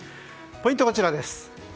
ポイントはこちらです。